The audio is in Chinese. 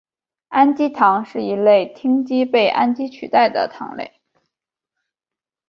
氨基糖是一类羟基被氨基取代的糖类。